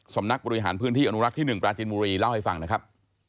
สำนักบริหารพื้นที่อนุรักษ์ที่๑ปราจินบุรีเล่าให้ฟังนะครับ